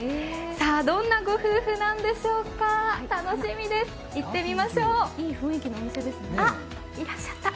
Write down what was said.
どんなご夫婦なんでしょうか楽しみです行ってみましょう。